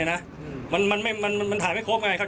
อย่างนี้คือการ